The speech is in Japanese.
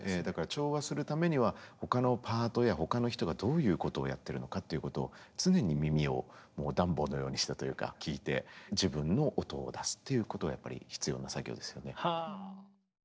だから調和するためには他のパートや他の人がどういうことをやってるのかっていうことを常に耳をダンボのようにしてというか聴いて自分の音を出すっていうことはやっぱり必要な作業ですよね。